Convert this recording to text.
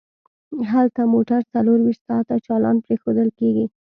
هلته موټر څلور ویشت ساعته چالان پریښودل کیږي